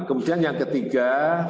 kemudian yang ketiga